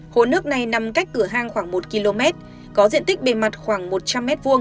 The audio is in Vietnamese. hồ nước này nằm cách cửa hang khoảng một km có diện tích bề mặt khoảng một trăm linh m hai